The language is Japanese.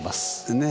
ねえ。